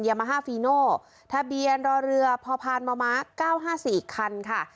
ยามาฮาฟีโนทะเบียนรอเรือพอพานมาม้าเก้าห้าสี่คันค่ะ